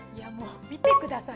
見てください。